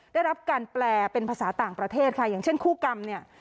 ได้รับการแปลเป็นภาษาต่างประเทศค่ะอย่างเช่นคู่กรรมเนี่ย